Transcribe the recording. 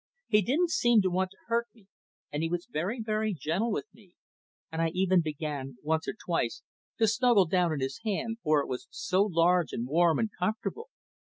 He didn't seem to want to hurt me, and he was very, very gentle with me; and I even began, once or twice, to snuggle down in his hand, for it was so large and warm and comfortable.